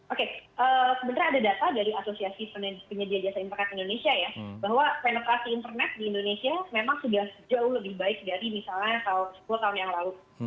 oke sebenarnya ada data dari asosiasi penyedia jasa internet indonesia ya bahwa penetrasi internet di indonesia memang sudah jauh lebih baik dari misalnya sepuluh tahun yang lalu